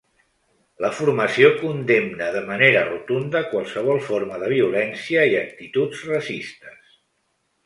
La formació condemna ‘de manera rotunda qualsevol forma de violència i actituds racistes’.